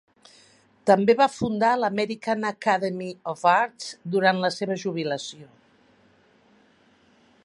També va fundar l'American Academy of Arts durant la seva jubilació.